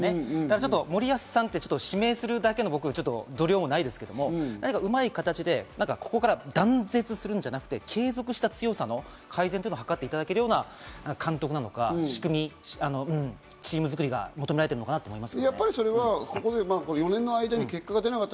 森保さんって指名するだけの僕、度量もないですけど、うまい形でここから断絶するんじゃなくて、継続した強さの改善を図っていただけるような監督なのか、仕組み、チーム作りが求められているのかなと思います。